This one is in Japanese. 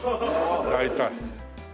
大体。